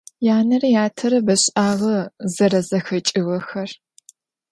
Yanere yatere beş'ağe zerezexeç'ıjığexer.